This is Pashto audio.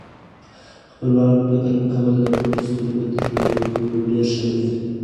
خپلواک فکر کول د پټو سترګو تر پيروي کولو ډېر ښه دی.